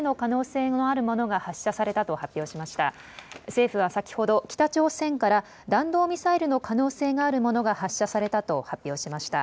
政府は先ほど北朝鮮から弾道ミサイルの可能性のあるものが発射されたと発表しました。